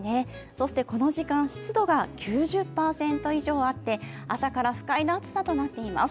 そしてこの時間湿度が９０％以上あって朝から不快な暑さとなっています。